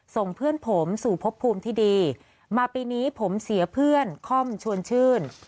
ส่งเพื่อนผมสู่พบภูมิที่ดีมาปีนี้ผมเสียเพื่อนค่อมชวนชื่น